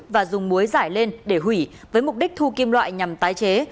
và dùng muối giải lên để hủy với mục đích thu kim loại nhằm tái chế